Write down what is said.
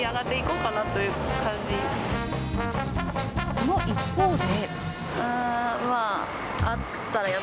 その一方で。